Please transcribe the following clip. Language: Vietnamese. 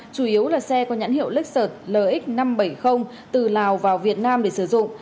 chủ yếu là xe có nhãn hiệu lixert lx năm trăm bảy mươi từ lào vào việt nam để sử dụng